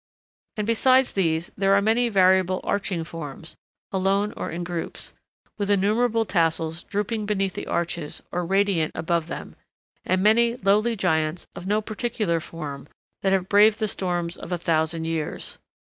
And besides these there are many variable arching forms, alone or in groups, with innumerable tassels drooping beneath the arches or radiant above them, and many lowly giants of no particular form that have braved the storms of a thousand years.